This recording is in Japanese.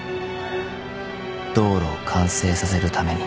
［道路を完成させるために］